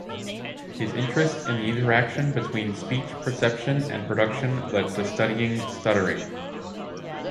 His interest in the interaction between speech perception and production led to studying stuttering.